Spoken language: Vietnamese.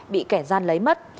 bị kẻ gian lấy mất